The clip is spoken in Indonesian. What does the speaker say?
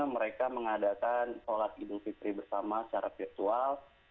mereka mengadakan sholat idul fitri bersama secara virtual